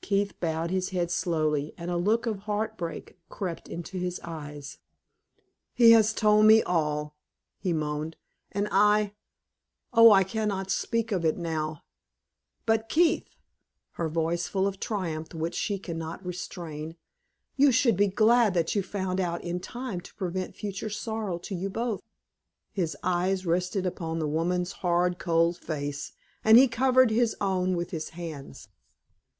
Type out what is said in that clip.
Keith bowed his head slowly, and a look of heart break crept into his eyes. "He has told me all," he moaned, "and I Oh, I can not speak of it now!" "But, Keith," her voice full of triumph which she can not restrain "you should be glad that you found it out in time to prevent future sorrow to you both." His eyes rested upon the woman's hard, cold face, and he covered his own with his hands.